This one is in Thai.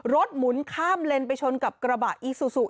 หมุนข้ามเลนไปชนกับกระบะอีซูซู